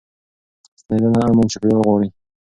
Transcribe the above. ستنېدنه امن چاپيريال غواړي.